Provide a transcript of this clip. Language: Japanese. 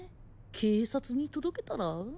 警察に届けたら？